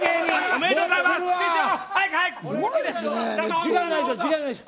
おめでとうございます、師匠。